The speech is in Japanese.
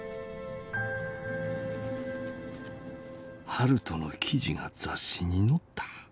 「悠人の記事が雑誌に載った。